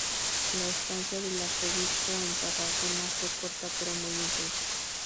La estancia del arzobispo en Tarragona fue corta pero muy intensa.